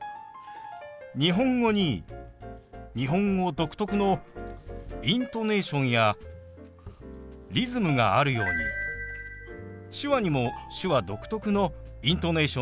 日本語に日本語独特のイントネーションやリズムがあるように手話にも手話独特のイントネーションやリズムがあります。